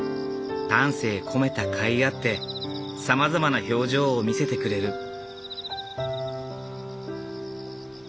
丹精込めたかいあってさまざまな表情を見せてくれる。